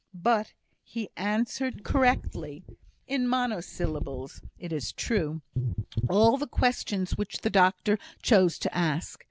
But he answered correctly (in monosyllables, it is true) all the questions which the doctor chose to ask.